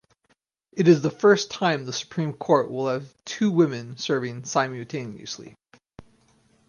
It is the first time the Supreme Court will have two women serving simultaneously.